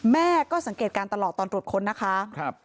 แม่ก็สังเกตการณ์ตลอดตอนตรวจค้นนะคะ